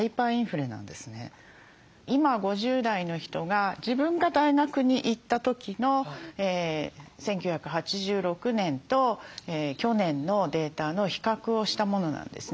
今５０代の人が自分が大学に行った時の１９８６年と去年のデータの比較をしたものなんですね。